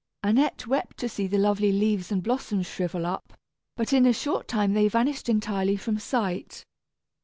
Annette wept to see the lovely leaves and blossoms shrivel up, but in a short time they vanished entirely from sight.